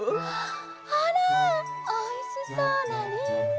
あらおいしそうなりんご。